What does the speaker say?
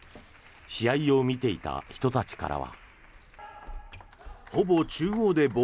試合を見ていた人たちからは。